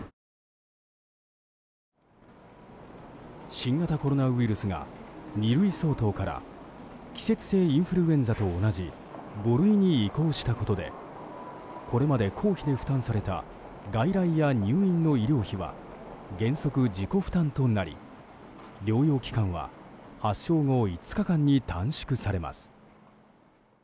新型コロナウイルスが２類相当から季節性インフルエンザと同じ５類に移行したことでこれまで公費で負担された外来や入院の医療費は原則自己負担となり療養期間は発症後５日間に短縮されます。